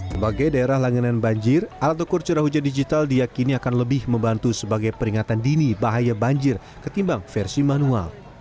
sebagai daerah langganan banjir alat ukur curah hujan digital diakini akan lebih membantu sebagai peringatan dini bahaya banjir ketimbang versi manual